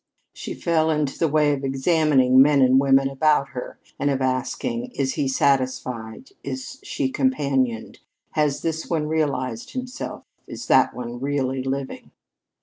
She fell into the way of examining the men and women about her and of asking: "Is he satisfied? Is she companioned? Has this one realized himself? Is that one really living?"